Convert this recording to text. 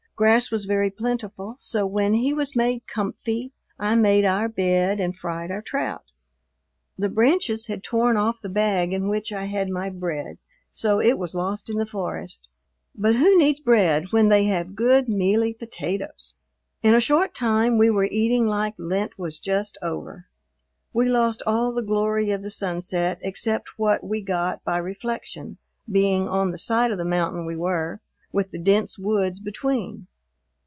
Grass was very plentiful, so when he was made "comfy" I made our bed and fried our trout. The branches had torn off the bag in which I had my bread, so it was lost in the forest, but who needs bread when they have good, mealy potatoes? In a short time we were eating like Lent was just over. We lost all the glory of the sunset except what we got by reflection, being on the side of the mountain we were, with the dense woods between.